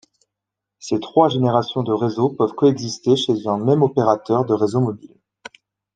Ces trois générations de réseaux peuvent coexister chez un même opérateur de réseau mobile.